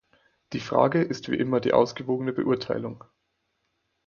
Die Frage ist wie immer die ausgewogene Beurteilung.